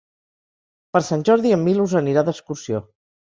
Per Sant Jordi en Milos anirà d'excursió.